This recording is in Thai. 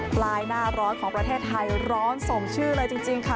ปลายหน้าร้อนของประเทศไทยร้อนสมชื่อเลยจริงค่ะ